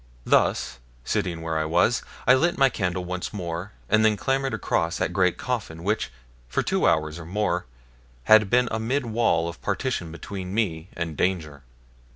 Thus, sitting where I was, I lit my candle once more, and then clambered across that great coffin which, for two hours or more, had been a mid wall of partition between me and danger.